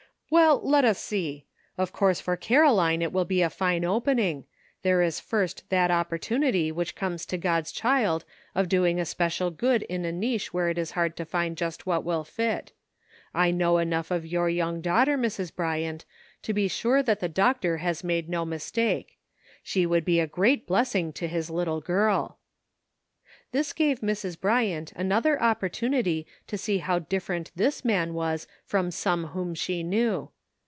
''Well, let us see. Of course for Caroline it will be a fine opening ; there is first that op portunity which comes to God's child of doing a special good in a niche where it is hard to find just what will fit. .1 know enough of your young daughter, Mrs. Bryant, to be sure that the doc tor has made no mistake. She would be a great blessing to his little girl." This gave Mrs. Bryant another opportunity to see how differ ent this ,man was from some whom she knew.